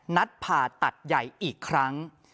นัดผ่าตัดใหญ่อีกครั้ง